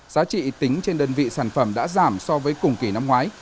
giá trị tính trên đơn vị sản phẩm đã giảm so với cùng kỳ năm ngoái